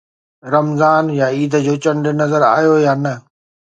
رمضان يا عيد جو چنڊ نظر آيو يا نه؟